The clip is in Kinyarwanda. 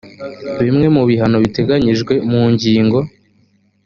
bimwe mu bihano biteganyijwe mu ngingo